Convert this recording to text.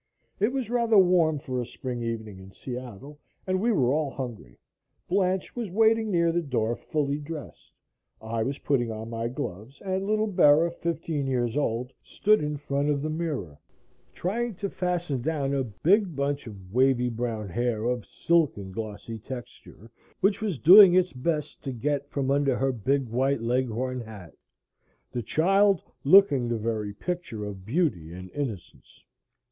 It was rather warm for a spring evening in Seattle, and we were all hungry. Blanche was waiting near the door fully dressed, I was putting on my gloves, and little Bera, fifteen years old, stood in front of the mirror trying to fasten down a big bunch of wavy brown hair of silken glossy texture, which was doing its best to get from under her big white Leghorn hat, the child looking the very picture of beauty and innocence.